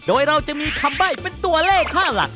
โดยเราจะมีคำใบ้เป็นตัวเลขค่าหลัก